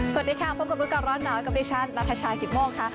สวัสดีค่ะพบกับรู้ก่อนร้อนหนาวกับดิฉันนัทชายกิตโมกค่ะ